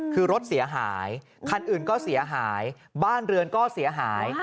คือรถเสียหายคันอื่นก็เสียหายบ้านเรือนก็เสียหาย